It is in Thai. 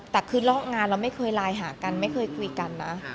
แต่คืองานเราไม่เคยไลน์หากันไม่เคยคุยกันนะ